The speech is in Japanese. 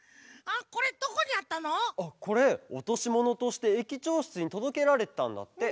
あっこれおとしものとして駅長しつにとどけられてたんだって。